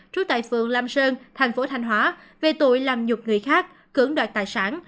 trú tại phường lam sơn tp thanh hóa về tội làm nhục người khác cưỡng đoạt tài sản